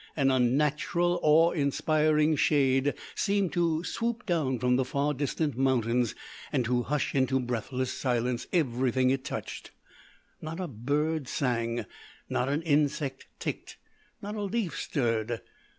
An unnatural, awe inspiring shade seemed to swoop down from the far distant mountains and to hush into breathless silence everything it touched. Not a bird sang, not an insect ticked, not a leaf stirred.